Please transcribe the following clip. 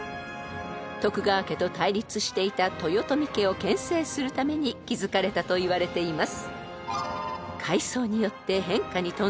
［徳川家と対立していた豊臣家をけん制するために築かれたといわれています］